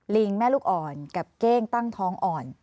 ลิงแม่ลูกอ่อนกับเก้งตั้งท้องอ่อน